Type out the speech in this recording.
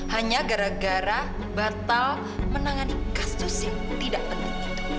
hanya gara gara batal menangani kasus yang tidak penting